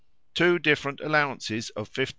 Two different allowances of 15,000l.